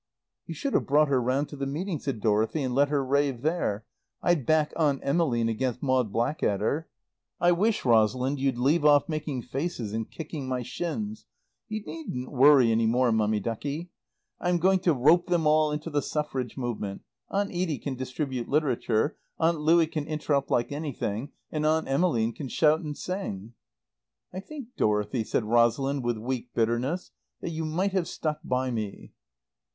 "You should have brought her round to the meeting," said Dorothy, "and let her rave there. I'd back Aunt Emmeline against Maud Blackadder. I wish, Rosalind, you'd leave off making faces and kicking my shins. You needn't worry any more, Mummy ducky. I'm going to rope them all into the Suffrage Movement. Aunt Edie can distribute literature, Aunt Louie can interrupt like anything, and Aunt Emmeline can shout and sing." "I think, Dorothy," said Rosalind with weak bitterness, "that you might have stuck by me."